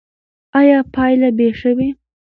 ایا پایله به ښه وي؟